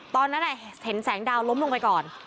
ตอนนั้นเห็นแสงดาวล้มลงไปก่อน